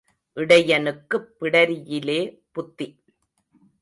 இடையனுக்குப் பிடரியிலே புத்தி.